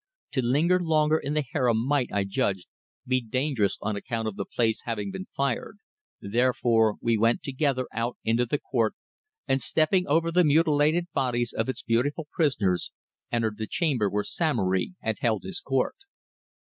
To linger longer in the harem might, I judged, be dangerous on account of the place having been fired, therefore we went together out into the court, and stepping over the mutilated bodies of its beautiful prisoners, entered the chamber where Samory had held his court.